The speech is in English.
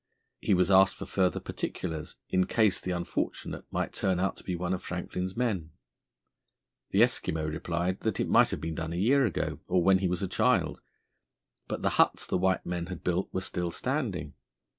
He was asked for further particulars, in case the unfortunate might turn out to be one of Franklin's men. The Eskimo replied that it might have been done a year ago or when he was a child, but the huts the white men had built were still standing.